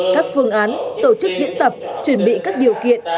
các phương án tổ chức diễn tập chuẩn bị các điều kiện